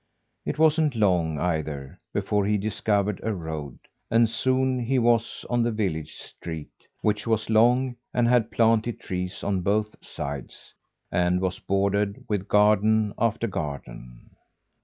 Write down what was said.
It wasn't long, either, before he discovered a road; and soon he was on the village street, which was long, and had planted trees on both sides, and was bordered with garden after garden.